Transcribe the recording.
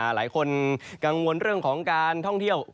หลายคนกังวลเรื่องของการท่องเที่ยว